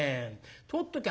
取っときゃ